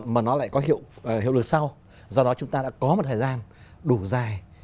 mà nó lại có hiệu lực sau do đó chúng ta đã có một thời gian đủ dài